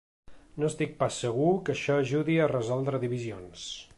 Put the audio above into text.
No estic pas segur que això ajudi a resoldre divisions.